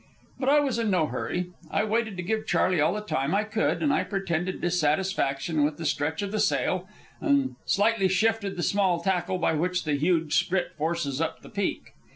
But I was in no hurry. I waited to give Charley all the time I could, and I pretended dissatisfaction with the stretch of the sail and slightly shifted the small tackle by which the huge sprit forces up the peak.